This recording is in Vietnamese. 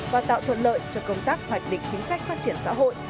và tạo thuận lợi cho công tác hoạch định chính sách phát triển xã hội